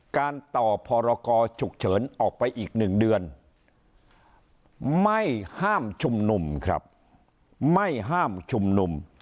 การต่อพรกรฉุกเฉินออกไปอีก๑เดือนไม่ห้ามชุมนุมครับไม่ห้ามชุมนุม